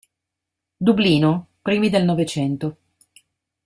Dublino, primi del Novecento.